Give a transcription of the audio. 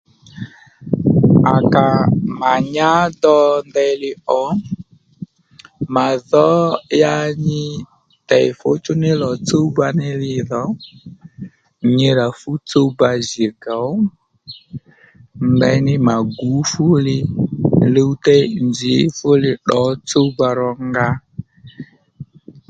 À ka mà nyá do ndèyli ò mà dhǒ ya nyi tey fǔchú ní lò tsúwba ní nì li dho nyi ra fú tsuwba jì gòw ndeyní mà gǔ fúli luwtey nzǐ fúli ddǒ tsuwba rónga